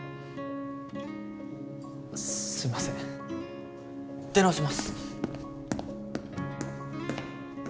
すいません出直します